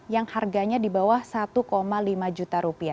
yang harganya di bawah satu lima juta rupiah